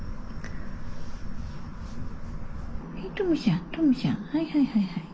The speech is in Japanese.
トムちゃんトムちゃんはいはいはいはい。